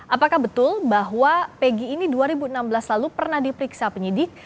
apakah betul bahwa peggy ini dua ribu enam belas lalu pernah diperiksa penyidik